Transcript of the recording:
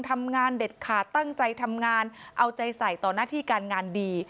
ทำงานเด็ดขาดตั้งใจทำงานเอาใจใส่ต่อหน้าที่การงานดี